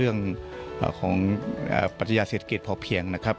เรื่องของปฏิศาสตรีเกียรติภ่อเพียง